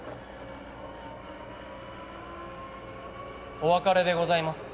・お別れでございます